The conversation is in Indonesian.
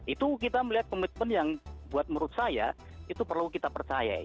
itu kita melihat komitmen yang buat menurut saya itu perlu kita percaya